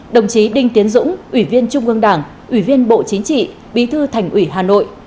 đồng chí đinh tiến dũng ủy viên trung ương đảng ủy viên bộ chính trị bí thư thành ủy hà nội